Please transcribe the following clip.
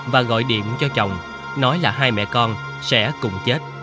và gọi điện cho chồng nói là hai mẹ con sẽ cùng chết